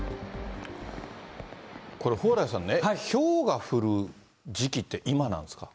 これ、蓬莱さんね、ひょうが降る時期って、今なんですか。